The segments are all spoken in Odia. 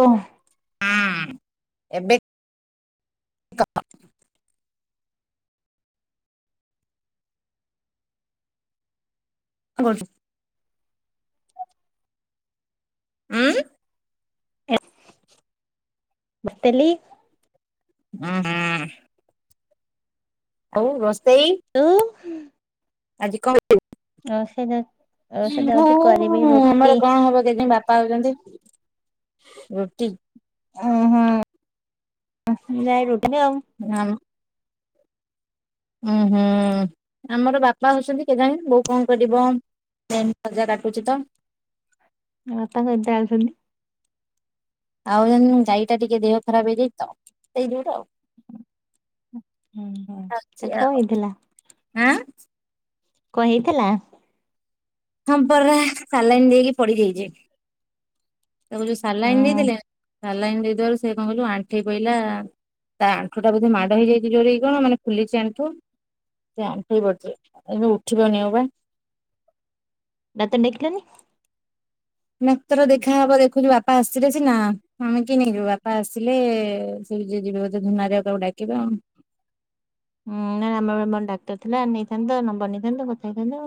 ଓ। ହୁଁ ଏବେ [unintelligible] କଣ କରୁଚୁ? ଉଁ? ଏ ବାତିଲି। [inaudible] ଆଉ ଗସ୍ ସେଇ। ହୁଁ। ଆଜି କଅଁ ବେ ରୋଷେଇ ଯାଉଛି କରିବି ଓ-ହୁଁ ରୁଟି ଆମର କଣ ହବ କେଜ-ବାପା ଆଉଚନ୍ତି ରୁଟି। ଉ ହୁଁ [unintelligible] ଆମ ଆଉ। ଉଁ ହୁଁ ଆମର ବାପା ହଉଛନ୍ତି କେଜାଣି ବୋଉ କଣ କରିବ ପ୍ଲେନ୍ ଭଜା କାଟୁଚି ତ। ବାପା କଣ ଏବେ ଆଉଛନ୍ତି? ଆଉ ଜାଣି ଗାଈ ଟା ଟିକେ ଦେହ ଖରାପ ହେଇଯାଇଚିତ ସେଇ ଦିହରୁ ଆଉ। ହୁଁ ହୁଁ ତାର କଣ ହେଇଥିଲା? ଆଁ। କଣ ହେଇଥିଲା? ହଁ ପରା ସାଲାଇନ ଦେଇକି ପଡି ଜାଇଛି ତାକୁ ଯୋଉ ହୁଁ ସାଲାଇନ୍ ଦେଇ ହୁଁ ଦେଲେ ସାଲାଇନ୍ ଦେଇଦବାରୁ ସେ କଣ କହିଲୁ ଆଣ୍ଠେଇ ପଡିଲା ତା ଆଣ୍ଠୁଟା ବୋଧେ ମାଡ଼ ହେଇଯାଇଛି ଜୋରେ କଣ ମାନେ ଫୁଲିଛି ଆଣ୍ଠୁ ସେ ଆଣ୍ଠେଇ ପଡ଼ିିଚି ଏବେ ଉଠିପାରୁନି ଆଉ ବା ନ ତ ନଖିଲନ [unintelligible] [unintelligible] ଦେଖା ହବ ଦେଖୁଛୁ ବା ବାପା ଆସିଲେ ସିନା ନିଜେ ନେଇଯିବୁ ବାପା ଆସିଲେ ସେ ଯିବେ ବୋଧେ ଭୀମା ଅଜା ଘରିକାକୁ ଡାକିବେ ଆଉ ହୁଁ ନା ଆମ ନମ୍ବର ଡାକ୍ତର ଥିଲା। ନେଇଥାନ୍ତ ନମ୍ବର ନେଇଥାନ୍ତ କଥା ହେଇଥାନ୍ତ।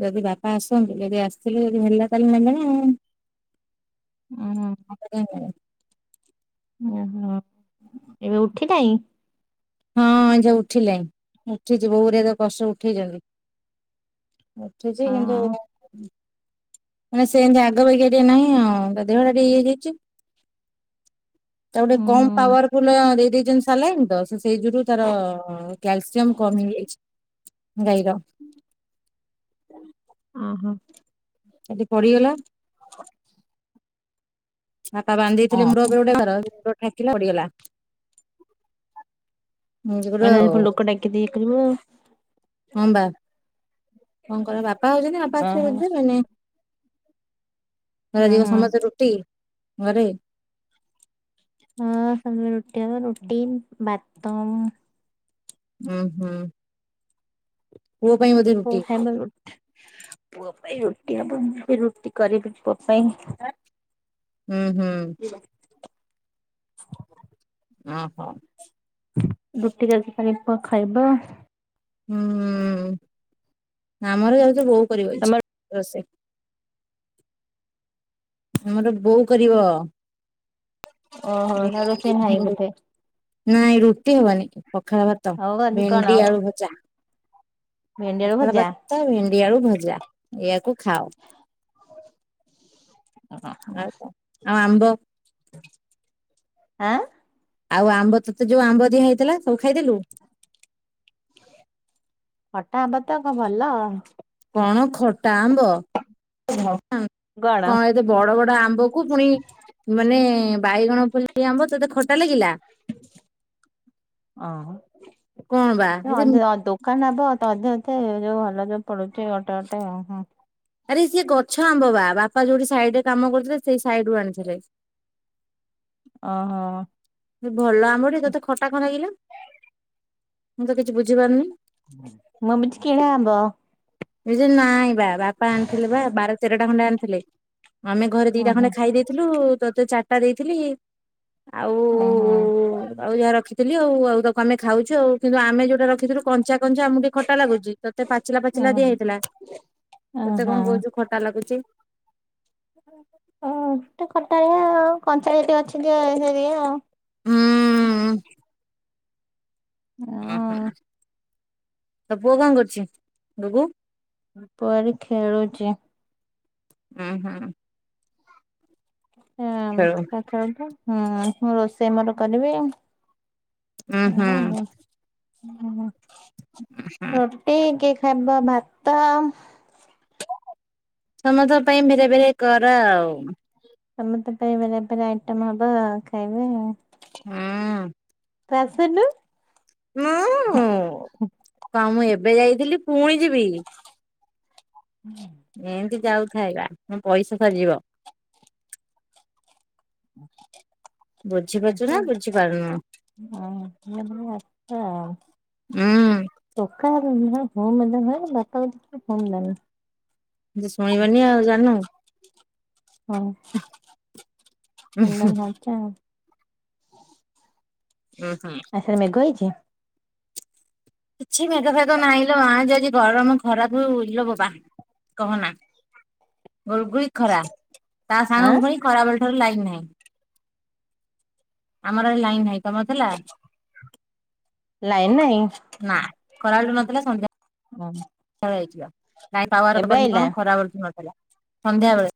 ଯଦି ବାପା ଆସନ୍ତି, ଯଦି ଆସିଥିଲେ ଯଦି ହେଲା ତାହେଲେ ନବନା? ଉଁ ହଁ। ଓହୋ ଏବେ ଉଠି ନାହିଁ। ହଁ ଯୋଉ ଉଠିଲେଣି ଉଠିଛି ବୋଉରେ ତ କଷ୍ଟ ଉଠେଇଛନ୍ତି। ଉଠିଛି ହଁ କିନ୍ତୁ ମାନେ ସେମତି ଆଗ ପରିକା ଟିକେ ନାହିଁ ଆଉ ତା ଦେହ ଟା ଟିକେ ଇଏ ହେଇଯାଇଛି। ତାକୁ ଟିକେ କମ ଉହୁଁ ପାୱାରଫୁଲ ର ଦେଇଦେଇଛନ୍ତି ସଲାଇନି ତ ସେ ସେ ଯୋରୁ ତାର କ୍ୟାଲସିୟମ କମିହେଇଯାଉଚି। ଗାଇ ର। [inaudible] ଆଜି ପଡିଗଲା। [inaudible] ହାଟା ବାନ୍ଧି ଦେଇଥିଲେ ମୁ [unintelligible] [unintelligible] ପଡ଼ିଗଲା। ଆପ ଲୋକ ଟାକି ଦେଇ ଥୀବ। କଙ୍କର ବାପା ପାଉଛନ୍ତି ନା ପାଞ୍ଚରେ ଓହୋ ବଝିଦବେନି। ହୁଁ କରିବ ହୁଁ ସମସ୍ତେ ରୁଟି। ଘରେ। ହଁ ସମ ରୁଟି ରୁଟି ବାଦାମ। ହଁ ହମ୍ଁ। ପୁଅ ପାଇଁ ବୋଧେ ରୁଟି। ଖାଇବ ପୁଅ ପାଇଁ ରୁଟି ହବ [unintelligible] ରୁଟି କରିବି ପୁଅ ପାଇଁ। ହୁଁ ହୁଁ। [inaudible] ଓ ହୋ, ରୁଟି ଯାଉଚି କରିବି ପୁଅ ଖାଇବ, ହୁଁ ଆମର ଯାଉ ତ ବୋଉ କରିବ ଅଛି ତମର ରୋଷେଇ, ଆମର ବୋଉ କରିବ। ଓହୋ ଆଉ ରୋଷେଇ ନାହିଁ ବୋଧେ ନାଇଁ ରୁଟି ହବନି ପଖାଳ ଭାତ ଆଉ ଆଜି କଣ ଭେଣ୍ଡି ଆଳୁ ଭଜା। ଭେଣ୍ଡି ଆଳୁ ପଖାଳ ଭଜା। ଭାତ ଭେଣ୍ଡିଆଡୁ ଭଜା ଏଇଆକୁ ଖାଅ? ଓ ହ? ଆଉ କଣ ଆଉ ଆମ୍ବ ଆଁ ଆଉ ଆମ୍ବ ତତେ ଯୋଉ ଆମ୍ବ ଦିଆ ହେଇଥିଲା ସବୁ ଖାଇଦେଲୁ ଖଟା ଆମ୍ବତ କଣ ଭଲ କଣ ଖଟା ଆମ୍ବ ହଁ କଣ ଏତେ ବଡ ବଡ ଆମ୍ବ କୁ ପୁଣି ମାନେ ବାଇଗଣ ଫୁଲି ଆମ୍ୱ ତତେ ଖଟା ଲାଗିଲା ଅ କଣ ବା ଏତେ ଦୋକାନ ହବ ତ ଅଧେ ଅଧେ ଯୋଉ ଭଲ ତ ପଦୁଚି ଗୋଟେ ଗୋଟେ ହଁ ଆରେ ସିଏ ଗଛ ଆମ୍ବ ବା ବାପା ଯୋଉଠି ସାଇଡ ରେ କାମ କରୁଥିଲେ ସେଇ ସାଇଡ ରୁ ଆଣିଥିଲେ। ଓ ହୋ, ଭଲ ଆମ୍ବଟେ ତତେ ଖଟା କଣ ଲାଗିଲା। ମୁଁ ତ କିଛି ବୁଝିପାରୁନି। ମୁଁ ଭାବିଚି କିଣେ ଆମ୍ୱ। ଏ ଯେ ନାଇଁ ବା ବାପା ଆଣିଥିଲେ ବା ବାର ତେର ଖଣ୍ଡେ ଆଣିଥିଲେ। ଆମେ ଘରେ ଉଁ ଦିଟା ହୁଁ ଖଣ୍ଡେ ଖାଇ ଦେଇଥିଲୁ। ତୋତେ ଚାରିଟା ଦେଇଥିଲି। ଆଉ ଉଁ ହୁଁ ଆଉ ଯାହା ରଖି ଥିଲି ଆଉ ଆଉ ତାକୁ ଆମେ ଖାଉଛୁ ଆଉ କିନ୍ତୁ ଆମେ ଯଉଟ ରଖିଥିଲୁ କଞ୍ଚା କଞ୍ଚା ଆମକୁ ଟିକେ ଖଟା ଲାଗୁଛି ତତେ ପାଚିଲା ପାଚିଲା ଦିଆ ହେଇଥିଲା ଉଁ ତତେ କଣ କହୁଛୁ ଖଟା ଲାଗୁଛି। ହ ଖଟାଲିଆ କଞ୍ଚାଲିୟା ଟିକେ ଅଛି ଯେ ଯୋଉ ଆଉ। ହୁଁ। ହଁ। ତ ପୁଅ କଣ କରୁଛି ଡୁଗୁ? ଉପରେ ଖେଳୁଛି। ହୁଁ ହୁଁ। ହଁ ଖେଳୁ ତା ଛେଳନ୍ତୁ ହୁଁ ମୁଁ ରୋଷେଇ ମୋର କରିବି ଆଉ। ହଁ ହୁଁ। ହୁଁ ହୁଁ। ହୁଁ। ଫଟି କି ହେବ ଭାତ ସମସ୍ତଙ୍କ ପାଇଁ ବେରେ ବେରେ କର ଆଉ। ସମତେ ପାଇ ବେରେ ବେରେ ଆଇଟମ ହବ ଖାଇବେ ଆଉ। ହୁଁ। ଟୁ ଆସୁନୁ? ହୁଁ କାମ ଏବେ ଏବେ ଯାଇଥିଲି ପୁଣି ଯିବି। [inaudible] ଏମିତି ଯାଉଥାଏ ବା ମୋ ପଇସା ସରିଜିବ। ନା ବୁଝିପାରୁନୁ। [inaudible] ଉଁ। [inaudible] [unintelligible] ଶୁଣିବନି ଆଉ ଜାନୁ। ହଁ [unintelligible] ଉଁ ହୁଁ। ଆଉ ସେଆଡେ ମେଘ ହେଇଛି? କିଛି ମେଗ ଫେଗ ନହିଁ ଲ ମା ଆଜି ଗରମ ଖରାକୁ ଇଲୋ ବପା କହନା। ଗୋଲଗୁଳି ଖରା ତା ଆଁ ସାଙ୍ଗଙ୍କୁ ପୁଣି ଖରା ବ ଲାଇନ୍ ନାଇ ଆମର ହେଲେ ଲାଇନ୍ ନାଇଁ। ଲାଇନ ନାହିଁ। ଖରାବେଳୁ ନଥିଲା ସନ୍ଧ୍ୟା ହଁ [unintelligible] ନାଇଁ ପାୱାରି କଣ ଖରାପ [unintelligible] ନଥିଲା। ସନ୍ଧ୍ୟାବେଳେ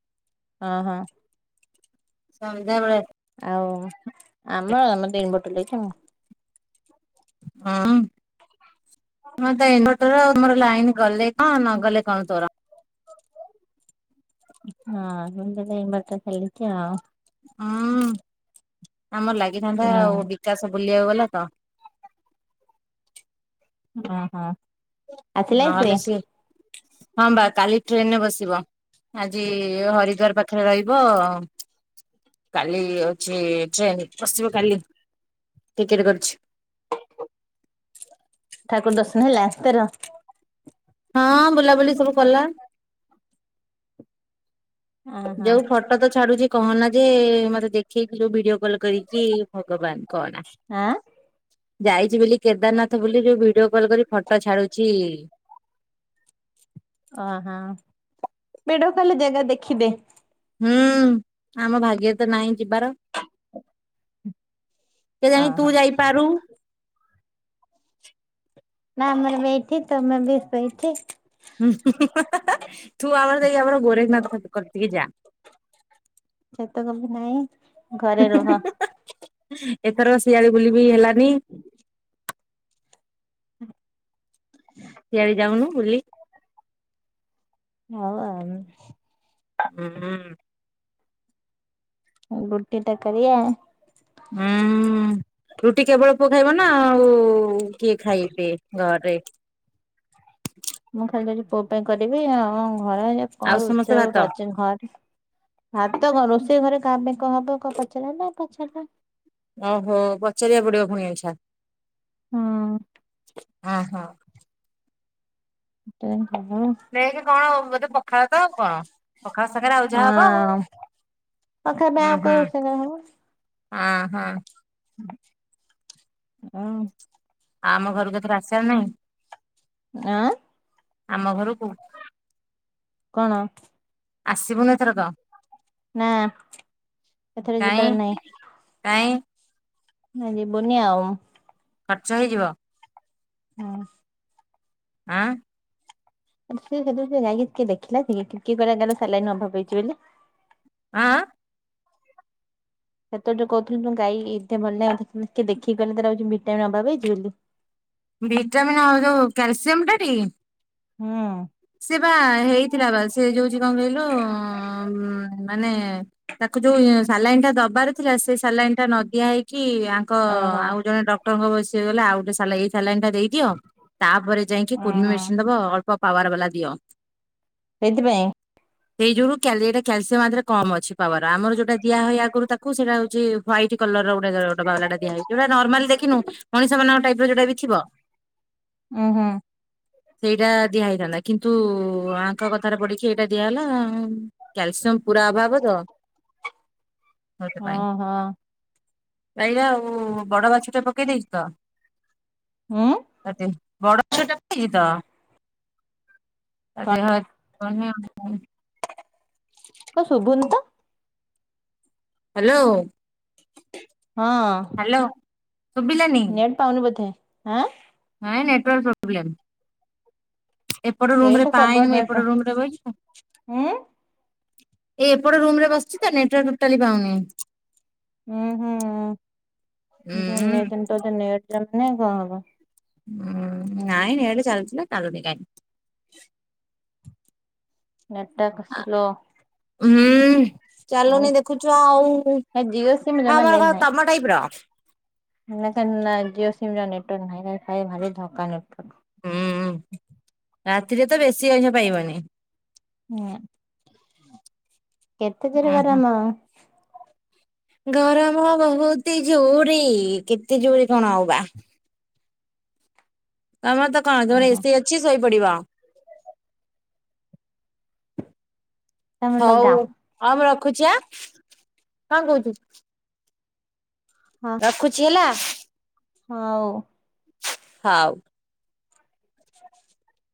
ହଁ ହଁ। ସଧ୍ୟାବେଳେ ଆଉ ଆମର ଆମେ ତିନି ବଟ ଲାଗିଛି ମୁ। ହଁ ମତେ ଇନଭଟର ମୋର ଲାଇନ୍ ଗଲେ କଣ ନ ଗଲେ କଣ ତୋର। ହଁ ମ ତ ଭ ବାଟ ଚାଲକି ଆଉ। ହଁ। ଆମର ଲାଗିଥାନ୍ତା ହୁଁ ଆଉ ବିକାଶ ବୁଲିବାକୁ ଗଲା ତ। ଉଁ ହୁଁ। ନହେଲେ ସେ ହଁ ବା କାଲି ଟ୍ରେନରେ ବସିବ ଆଜି ହରିଦ୍ଵାର ପାଖରେ ରହିବ କାଲି ଅଛି ଟ୍ରେନ। ବସିବ କାଲି। ଟିକେଟ କରିଛି। ଠାକୁର ଦର୍ଶନ ହେଲା ତୋର। ହଁ ବୁଲାବୁଲି ସବୁ କଲା। ଓହୋ ଯୋଉ ଫଟୋ ତ ଛାଡୁଛି କହନା ଯେ ମତେ ଦେଖେଇଥିଲୁ ଭିଡିଓ କଲ୍ କରିକି ଭଗବାନ୍ କହନା। ଆଁ ଯାଇଛି ବୋଲି କେଦାରନାଥ ବୁଲି ଯୋଉ ଭିଡିଓ କଲ୍ କରି ଫଟୋ ଛାଡୁଛି। ଓହୋ ଭିଡିଓ ଖାଲି ଜାଗା ଦେଖିଦେ। ହୁଁ ଆମ ଭାଗ୍ୟ ତ ନାହିଁ ଯିବାର। କେ ଜାଣି ତୁ ଓହୋ ଯାଇପାରୁ? ନା ଅମର ବେଇଠି ତମେ ବି ସେଇଠି। ହୁଁ ହୁଁ ହୁଁ ତୁ ଆମର ଯାଇ ଆମର ଗୋରେଖନାଥ କତିକି ଯା। ସେତକ ବି ନାହିଁ ଘରେ ରୁହ [inaudible] ଏଥର ଶିଆଳି ବୁଲି ବି ହେଲାନି। ସିଆଳି ଯାଉନୁ ବୁଲି। ହ ଉ ଆଉ। ହୁଁ। ଵୁଟିତ କାରି ଆ। ହୁଁ ରୁଟି କେବଳ ପୁଅ ଖାଇବ ନା ଆଉ କିଏ ଖାଇବେ ଘରେ? ମୁଁ ଖାଲି ଆଜି ପୁଅ ପାଇଁ କରିବି ଆଉ। ଘରେ ଆଜି ଆଉ କଣ ସମସ୍ତେ ରୋଷେଇ ହବ ଭାତ? ପଚାରିନ ଘରେ ଭାତ କଣ ରୋ ସେ ଘରେ କା ପାଇଁ କଣ ହବ କ ପଚା ନା ପଚାରିଲନି? ଓହୋ ପଚାରିବାକୁ ପଡିବ ପୁଣି ଆଛା। ଆହୋ। ଟେ। ଦେଖେ କଣ ମତେ ପ ପଖାଳ ତ ଆଉ କଣ ପଖାଳ ସାଙ୍ଗରେ ଆଉ ଯାହା ହବ ଆଉ ପାଖା ପାଇଁ ହୁଁ ଆଉ କଣ ହୁଁ ରୋଷେଇ ହବ ଆହାଁ। ଉଁ। ଆମ ଘରକୁ ଏଥର ଆସିବ ନାହିଁ? ଆଁ ଆମ ଘରକୁ? କଣ? ଆସିବୁନି ଏଥର କ? ନା ଏଥର କାଇଁ ଯିବାର ନାଇଁ। କାଇଁ ଯିବୁନି ଆଉ। ଖର୍ଚ୍ଚ ହେଇଯିବ। ହଁ। ଆଁ? ସେ ସେ ଯାଇକି ଟିକେ ଦେଖିଲା କିଏ? କିଏ କହିଲା କାହିଲୁ ସଲାଇନି ଅଭାବ ହେଇଛି ବୋଲି? ଆଁ? ସେତବେଳେ ଯଉ କହୁଥିଲୁ ତମ ଗାଈ ଏତେ ଭଲ ଲାଗେ ଦେଖିକି ଗଲେ ହଉଛି ଭିଟାମିନ ଅଭାବ ହଇଛି ବୋଲି। [unintelligible] ବିଟାମିନ୍ ହଉ କ୍ୟାଲସିୟମ ଟି ହୁଁ। ସେ ବା ହେଇଥିଲା ବା ସେ ଯୋଉଛି କଣ କହିଲୁ ମାନେ ତାକୁ ଯୋଉ ସାଲାଇନ୍ ଟା ଦବାର ଥିଲା ସେ ସାଲାଇନ୍ ଟା ନଦିଆ ହେଇକି କି ଆଙ୍କ ଓହୋ ଆଉ ଜଣେ ଡ ଟଙ୍ଗ ବସି ହେଇଗଲା ଆଉ ଗଟେ ସଲାଇ ସାଲିଇନି ଦେଇଦିଅ ତାପରେ ଯାଇକି ଉଁ କୁର୍ମି ହୁଁ ମେଡିସିନ୍ ଦବା ଅଳ୍ପ ପାୱାର ବାଲା ଦିଅ ସେଥିପାଇଁ ସେଇଯୁଗରୁ କ୍ୟାଲେରି କ୍ୟାଲସିୟମ ଆ ଦେହ ରେ କମ୍ ଅଛି। ପାୱାର ଆମର ଯଉଟା ଦିଆହୁଏ ଆଗରୁ ତାକୁ ସେଇଟା ହଉଛି ହ୍ୱାଇଟ କଲର ଗୋଟେ ଗୋ ବାଉଲା ଦିଆହେଇଛି ଯୋଉଟା ନର୍ମାଲି ଦେଖିନୁ ମଣିଷ ମାନଙ୍କ ଟାଇପ୍ ଟା ବି ଥିବ [unintelligible] ଉହୁଁ। ସେଇଟା ଦିଆ ହେଇଥାନ୍ତା କିନ୍ତୁ ଆଙ୍କ କଥାରେ ପଢିକି ଏଇଟା ଦିଆହଲା କ୍ୟାଲସିୟମ ପୁରା ଅଭାବ ତ ହଁ ହଁ। ଏାଇରା ଆଉ ବଡ ମାଛ ଟା ପକେଇ ଦେଇଛୁ ତ। ଉଁ କତିେ [inaudible] ବଡ ଛଟାଛି ତ ଆ ତାଦେହା [inaudible] କ ଶୁଭୁନ ତ। ହ୍ୟାଲୋ। [inaudible] ହଁ। ହ୍ୟାଲୋ ଶୁଭିଲାନି ନେଟ ପାଉନ ବଧେ ଆଁ ନାଇଁ ନେଟୱାର୍କ ପ୍ରୋବ୍ଲେମ୍। ଏପଟ ରୁମ ରେ ନେଟ୍ ପାଏନି ସବୁବେଳେ ମୁଁ ନେଟ୍ ପାଉ ଏପଟ ରୁମ ରେ ବ ଏଇ ଉଁ ଏପଟେ ରୁମ ରେ ବସିଚଛି ତ ନେଟାର୍ ଟାଲି ପାଉନି? ହୁଁ ହୁଁ ଉଁ ଧନେ ଦିନ ଦ ନାଇଁ କଣ ହବ ହୁଁ। ହୁଁ ନାଇଁ ନ ଏଡ ଚାଲିଥିଲେ ଆନିଲନି କାଇଁ। [unintelligible] ନେଟୱାର୍କ୍ ସ୍ଲୋ ହୁଁ। ଉଁ ଚାଲୁନି ଦେଖୁଛୁ ଆଉ ଏ ଜିଓ ସିମ୍ ଆମର କଣ ତମ ଟାଇପ ର। ନା କ ନା ଜିଓ ସିମ ର ନେଟୱାର୍କ ନାଇ ଖାଇ ଭାରି ଧକା ନେଟାର୍। ହୁଁ ରାତିରେ ତ ବେଶୀ ଅଇଷ ପାଇବନି। ହୁଁ କେତେ ଚର ଓହୋ ଗରମ? ଗରମ ବହୁତ ଜୋର କେତେ ଜୋରି କଣ ହଉ ବା। ତମର ତ କଣ ତମର ଓହୋ ଏସିି ଅଛି। ବଡ଼ି ବ। ତମେ ହଉ ଲଗାଅ। ଆମର ଖୁଛିଆ କଣ କହୁଛିୁ। ହଁ ରଖୁଛି ହେଲା। ହଉ। ହଉ [unintelligible]